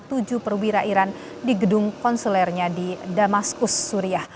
tujuh perwira iran di gedung konsulernya di damaskus suriah